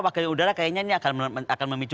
wakil udara kayaknya ini akan memicu